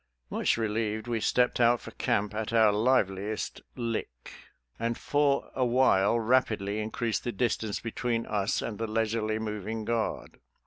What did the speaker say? Much relieved, we stepped out for camp at our liveliest lick, and for a while rapidly increased the distance between us and the leisurely mov ing guard.